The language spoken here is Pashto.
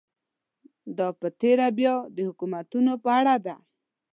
دا په تېره بیا د حکومتونو په اړه ده.